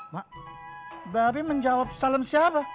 mak dari menjawab salam siapa